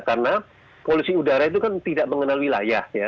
karena polusi udara itu kan tidak mengenal wilayah ya